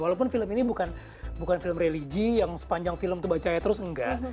walaupun film ini bukan film religi yang sepanjang film tuh bacanya terus engga